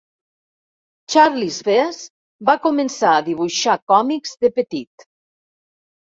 Charlies Vess va començar a dibuixar còmics de petit.